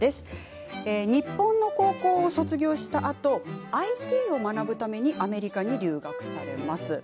日本の高校を卒業したあとＩＴを学ぶためにアメリカに留学されます。